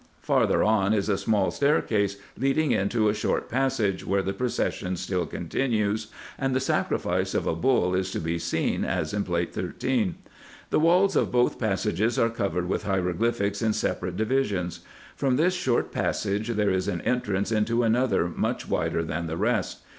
Farther on is a small staircase leading into a short passage, where the procession still continues, and the sacrifice of a bull is to be seen, as in Plate IS. The walls of both passages are covered with hieroglyphics in separate divisions. From this short passage there is an entrance into another much wider than the rest.